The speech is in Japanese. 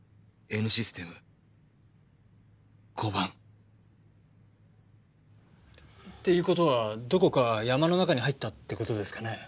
Ｎシステム交番。っていう事はどこか山の中に入ったって事ですかね？